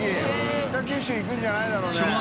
牟綵行くんじゃないだろうね？